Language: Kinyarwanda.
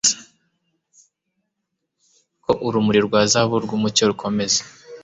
ko urumuri rwa zahabu rwumucyo rukomeza